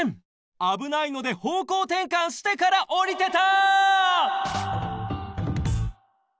あぶないのでほうこうてんかんしてから降りてた！